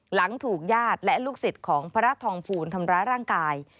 หลังถูกญาติและลูกศิษย์ของพระทองภูลทำร้ายร่างกาย